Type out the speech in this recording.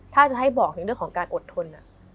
ถ้าจะให้บอกถึงเรื่องของการอดทน